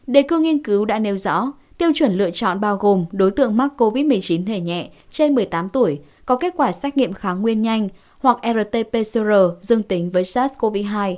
đề cương nghiên cứu đã nêu rõ tiêu chuẩn lựa chọn bao gồm đối tượng mắc covid một mươi chín thể nhẹ trên một mươi tám tuổi có kết quả xét nghiệm kháng nguyên nhanh hoặc rt pcr dương tính với sars cov hai